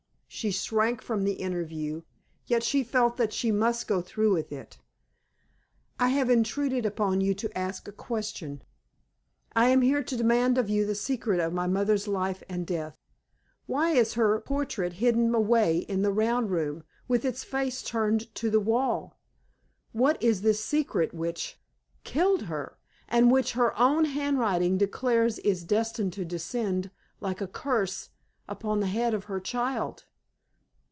She shrank from the interview, yet she felt that she must go through with it "I have intruded upon you to ask you a question. I am here to demand of you the secret of my mother's life and death. Why is her portrait hidden away in the round room, with its face turned to the wall? What is this secret which killed her, and which her own handwriting declares is destined to descend, like a curse, upon the head of her child?